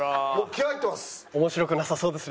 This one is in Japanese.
気合入ってます。